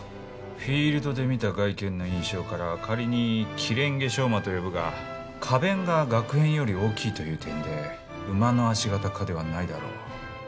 フィールドで見た外見の印象から仮にキレンゲショウマと呼ぶが花弁ががく片より大きいという点で毛科ではないだろう。